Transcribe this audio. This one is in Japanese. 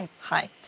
はい。